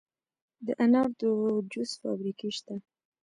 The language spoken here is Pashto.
د انارو د جوس فابریکې شته.